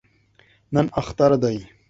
نن اختر دی